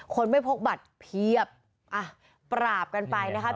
คนไม่พกบัตรเพียบอ่ะปราบกันไปนะครับ